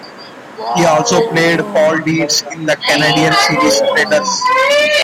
He also played Paul Deeds in the Canadian series "Traders".